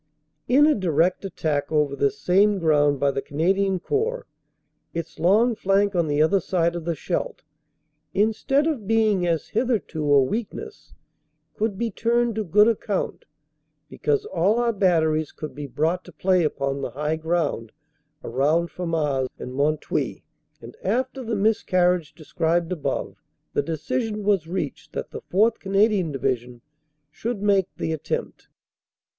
In a direct attack over this same ground by the Canadian Corps, its long flank on the other side of the Scheldt, instead of being as hitherto a weakness, could be turned to good account, because all our batteries could be brought to play upon the high ground around Famars and Mont Houy, and, after the miscarriage described above, the decision was reached that the 4th. Canadian Division should make the attempt.